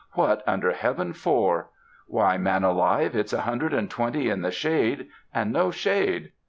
"What under heaven for? Why, man alive, it's a hundred and twenty in the shade, and no shade!